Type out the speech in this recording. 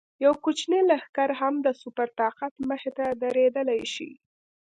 یو کوچنی لښکر هم د سوپر طاقت مخې ته درېدلی شي.